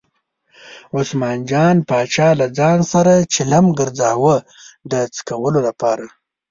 عثمان جان پاچا له ځان سره چلم ګرځاوه د څکلو لپاره.